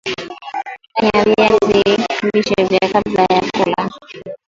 Menya viazi lishe vyako kabla ya kula